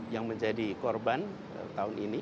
yang menjadi korban tahun ini